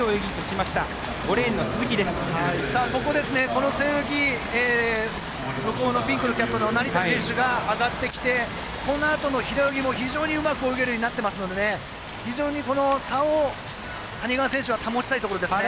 この背泳ぎ成田選手が上がってきてこのあとの平泳ぎも非常にうまく泳げるようになっていますから非常にこの差を谷川選手は保ちたいところですね。